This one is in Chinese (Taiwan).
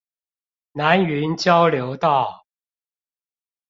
南雲交流道